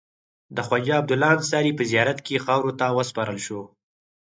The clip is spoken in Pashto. د خواجه عبدالله انصاري په زیارت کې خاورو ته وسپارل شو.